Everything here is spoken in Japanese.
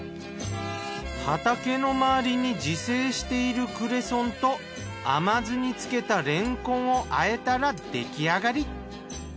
畑の周りに自生しているクレソンと甘酢に漬けたレンコンを和えたら出来上がり。